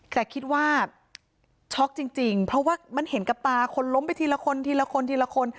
แต่คิดว่าช็อกจริงเพราะว่ามันเห็นกับตาคนล้มไปทีละคนทีละคนทีละคน